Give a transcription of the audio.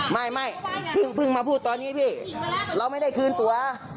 ไม่เพิ่งมาพูดตอนนี้พี่เราไม่ได้คืนตัว